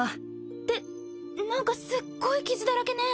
って何かすっごい傷だらけね。